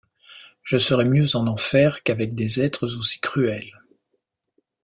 Je serai mieux en enfer qu'avec des êtres aussi cruels.